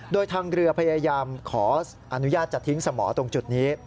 โดยทางเรือพยายามขออนุญาตจะทิ้งสมอตรงจุดนี้